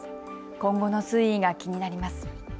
今後の推移が気になります。